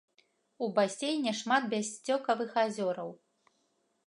У басейне шмат бяссцёкавых азёраў.